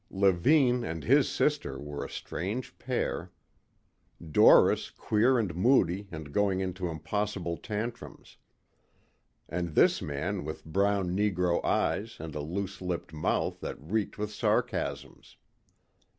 Levine and his sister were a strange pair. Doris queer and moody and going into impossible tantrums. And this man with brown negro eyes and a loose lipped mouth that reeked with sarcasms.